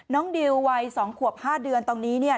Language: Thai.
ดิววัย๒ขวบ๕เดือนตรงนี้เนี่ย